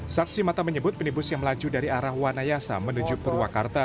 saksi mata menyebut minibus yang melaju dari arah wanayasa menuju purwakarta